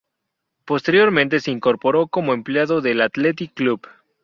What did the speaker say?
Posteriormente, se incorporó como empleado del Athletic Club.